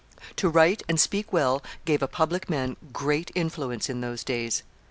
To write and speak well gave a public man great influence in those days.